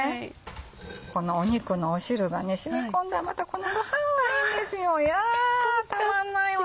この肉の汁が染み込んだまたこのごはんがいいんですよ！やたまんないわね！